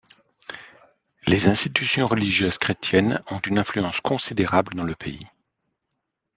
Les institutions religieuses chrétiennes ont une influence considérable dans le pays.